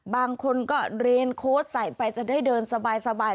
บางคนก็เรียนโค้ดใส่ไปจะได้เดินสบาย